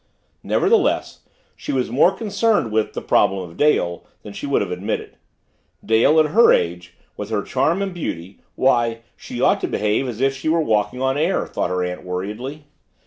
Nevertheless, she was more concerned with "the problem of Dale" than she would have admitted. Dale, at her age, with her charm and beauty why, she ought to behave as if she were walking on air, thought her aunt worriedly.